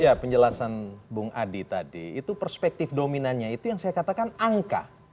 ya penjelasan bung adi tadi itu perspektif dominannya itu yang saya katakan angka